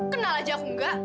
kenal aja aku enggak